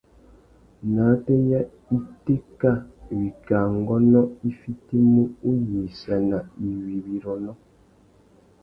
Nātê ya itéka, wikā ngônô i fitimú uyïssana iwí wirrônô.